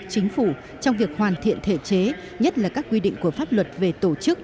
chính phủ trong việc hoàn thiện thể chế nhất là các quy định của pháp luật về tổ chức